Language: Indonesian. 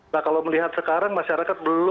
nah kalau melihat sekarang masyarakat